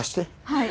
はい。